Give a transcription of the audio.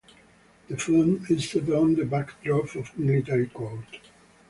The film is set on the backdrop of military court.